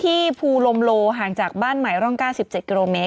ที่ภูลมโลห่างจากบ้านไหมร่องก้า๑๗กิโลแมตร